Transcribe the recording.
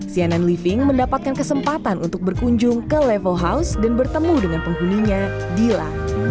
cnn living mendapatkan kesempatan untuk berkunjung ke level house dan bertemu dengan penghuninya dila